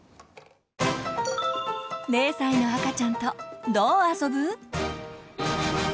０歳の赤ちゃんとどう遊ぶ？